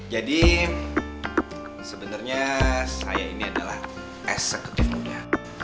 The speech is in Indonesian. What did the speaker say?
jadi sebenernya saya ini adalah eksekutif muda